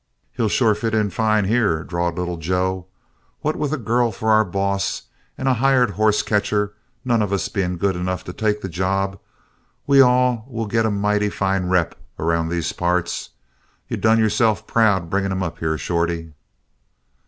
"He'll sure fit in fine here," drawled Little Joe. "What with a girl for our boss and a hired hoss catcher, none of us being good enough to take the job, we all will get a mighty fine rep around these parts. You done yourself proud bringing him up here, Shorty."